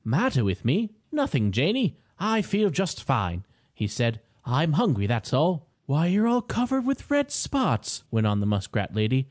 "Matter with me? Nothing, Janie! I feel just fine!" he said. "I'm hungry, that's all!" "Why, you're all covered with red spots!" went on the muskrat lady.